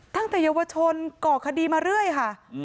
ตั้งแต่เยาวชนก่อคดีมาเรื่อยค่ะ